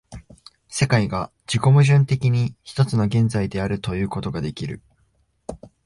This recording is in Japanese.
世界が自己矛盾的に一つの現在であるということができる。